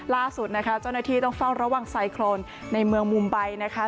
ล่าสุดนะคะเจ้าหน้าที่ต้องเฝ้าระวังไซโครนในเมืองมุมใบนะคะ